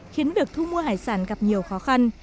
khiến việc thu mua hải sản gặp nhiều khó khăn